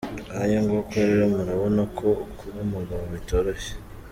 Ngayo nguko rero murabona ko kuba umugabo bitoroshye.